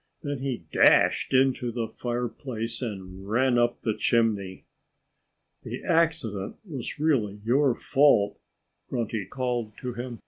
Then he dashed into the fireplace and ran up the chimney. "The accident was really your fault," Grunty called to him.